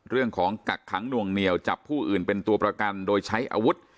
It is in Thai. กักขังหน่วงเหนียวจับผู้อื่นเป็นตัวประกันโดยใช้อาวุธ